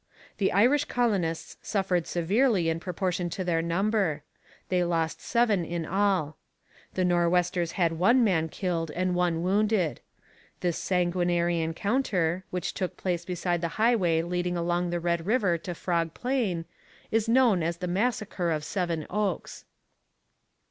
The Irish colonists suffered severely in proportion to their number: they lost seven in all. The Nor'westers had one man killed and one wounded. This sanguinary encounter, which took place beside the highway leading along the Red River to Frog Plain, is known as the massacre of Seven Oaks.